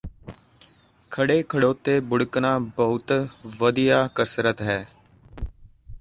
ਖੜ੍ਹੇ ਖੜੋਤੇ ਬੁੜ੍ਹਕਣਾ ਬਹੁਤ ਵਧੀਆ ਕਸਰਤ ਹੈ